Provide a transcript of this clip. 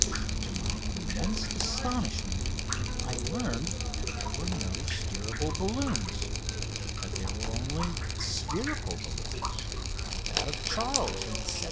To my immense astonishment I learned that there were no steerable balloons that there were only spherical balloons, like that of Charles in 1783!